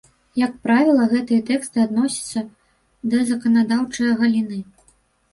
Як правіла, гэтыя тэксты адносяцца да заканадаўчае галіны.